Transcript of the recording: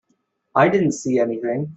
I didn't see anything.